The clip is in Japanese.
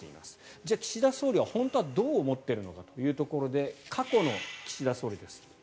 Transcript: じゃあ、岸田総理は本当はどう思っているのかというところで過去の岸田総理です。